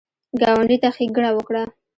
ګاونډي ته ښېګڼه وکړه